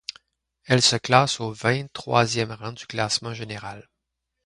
Elle se classe au vingt-troisième rang du classement général.